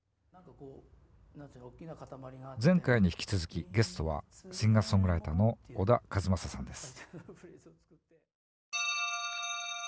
前回に引き続きゲストはシンガーソングライターの小田和正さんです